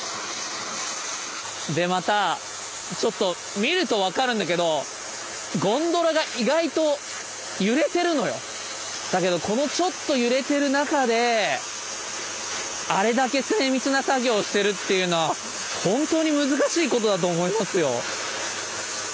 でまたちょっと見ると分かるんだけどゴンドラが意外と揺れてるのよ。だけどこのちょっと揺れてる中であれだけ精密な作業をしてるっていうのは本当に難しいことだと思いますよ。